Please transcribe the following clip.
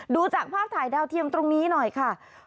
ดูจากภาพถ่ายดาวเทียมตรงนี้หน่อยค่ะ